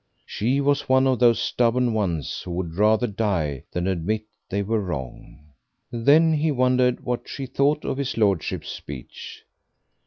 She was one of those stubborn ones who would rather die than admit they were wrong. Then he wondered what she thought of his Lordship's speech.